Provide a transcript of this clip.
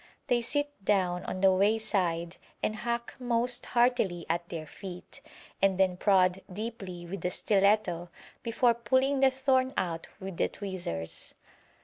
They sit down on the wayside and hack most heartily at their feet, and then prod deeply with the stiletto before pulling the thorn out with the tweezers.